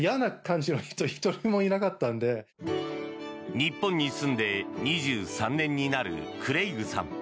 日本に住んで２３年になるクレイグさん。